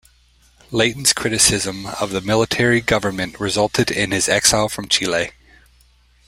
Leighton's criticism of the military government resulted in his exile from Chile.